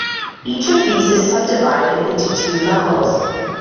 Each of these is subdivided into two levels.